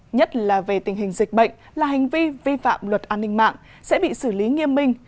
nhất là về tình hình dịch bệnh là hành vi vi phạm luật an ninh mạng sẽ bị xử lý nghiêm minh